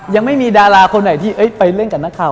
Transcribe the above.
ยังไม่มีดาราคนไหนที่ไปเล่นกับนักข่าว